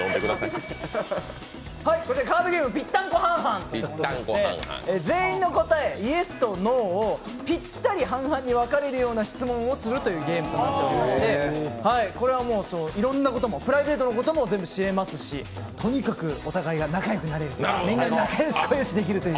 カードゲーム「ピッタンコはんはん」というものでして、全員の答え、ＹＥＳとＮＯ、ピッタリ半々に分かれるような質問をするということで、これはいろんなこともプライベートのことも知れますしとにかくお互いが仲良くなれるみんな仲良しこよしできる